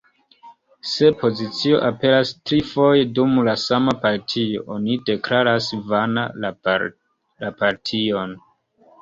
Se pozicio aperas trifoje dum la sama partio, oni deklaras vana la partion.